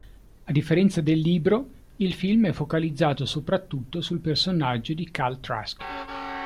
A differenza del libro, il film è focalizzato soprattutto sul personaggio di Cal Trask.